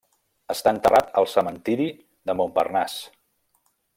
Està enterrat al cementiri de Montparnasse.